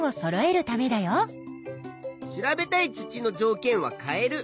調べたい土のじょうけんは変える。